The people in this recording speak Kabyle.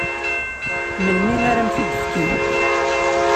Melmi ara am-t-id-fken?